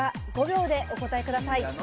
５秒でお答えください。